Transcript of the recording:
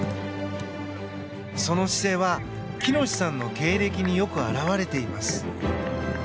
その姿勢は喜熨斗さんの経歴によく表れています。